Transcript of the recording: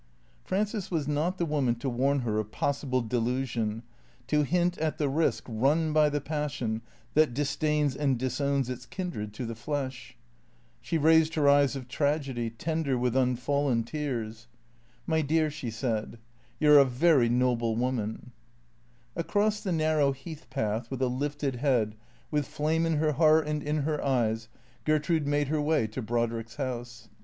Frances was not the woman to warn her of possible delusion ; to bint at the risk run by the passion that disdains and disowns its kindred to the flesh. She raised her eyes of tragedy, tender with unfallen tears. T H E C E E A T 0 E S 337 " My dear," she said, " you 're a very noble woman." Across the narrow heath path, with a lifted head, with flame in her heart and in her eyes, Gertrude made her way to Brod riek's house.